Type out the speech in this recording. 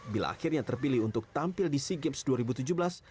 bila akhirnya terpilih untuk tampil di sea games dua ribu tujuh belas